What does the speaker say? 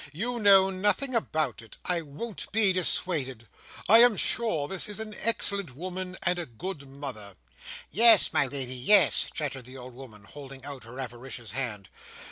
"You know nothing about it. I won't be dissuaded. I am sure this is an excellent woman, and a good mother." "Yes, my Lady, yes," chattered the old woman, holding out her avaricious hand.